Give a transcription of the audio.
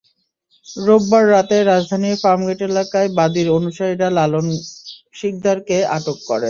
রোববার রাতে রাজধানীর ফার্মগেট এলাকায় বাদীর অনুসারীরা লালন শিকদারকে আটক করেন।